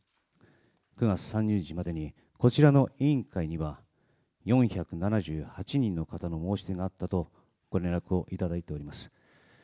９月３０日までにこちらの委員会には４７８人の方の申し出があったとご連絡をいただいております。